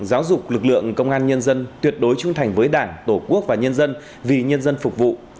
giáo dục lực lượng công an nhân dân tuyệt đối trung thành với đảng tổ quốc và nhân dân vì nhân dân phục vụ